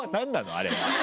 あれは。